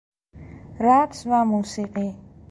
رقص و موسیقی